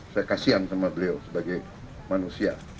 saya kasihan sama beliau sebagai manusia